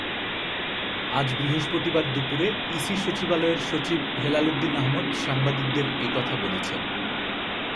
আজ বৃহস্পতিবার দুপুরে ইসি সচিবালয়ের সচিব হেলালুদ্দীন আহমদ সাংবাদিকদের এ কথা বলেছেন।